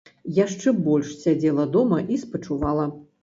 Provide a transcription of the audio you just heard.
Яшчэ больш сядзела дома і спачувала.